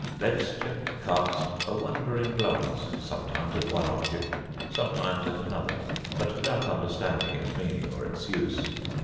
Ledscha cast a wondering glance sometimes at one object, sometimes at another, but without understanding its meaning or its use.